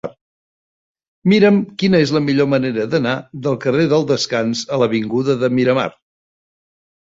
Mira'm quina és la millor manera d'anar del carrer del Descans a l'avinguda de Miramar.